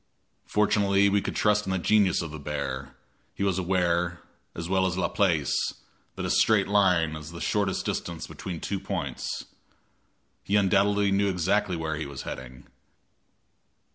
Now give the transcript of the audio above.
Fortunately we could trust in the genius of the bear; he was aware, as well as La Place, that a straight line is the shortest distance between two points. He undoubtedly knew exactly where he was heading.